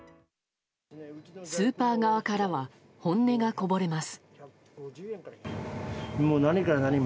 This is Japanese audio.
スーパー側からは本音がこぼれます。